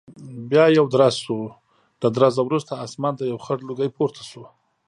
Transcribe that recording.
بیا یو درز شو، له درزه وروسته اسمان ته یو خړ لوګی پورته شو.